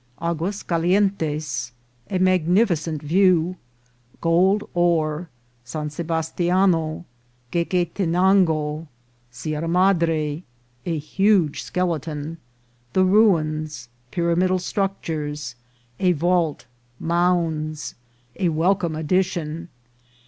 — Agua Calientes. — A magnificent View. — Gold Ore. — San Sebastiano. — Gue guetenango. — Sierra Madre.— A huge Skeleton. — The Ruins. — Pyramidal Structures, — A Vault. — Mounds. — A welcome Addition.